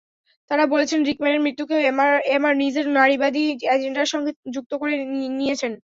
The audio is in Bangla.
তাঁরা বলছেন, রিকম্যানের মৃত্যুকেও এমা নিজের নারীবাদী এজেন্ডার সঙ্গে যুক্ত করে নিয়েছেন।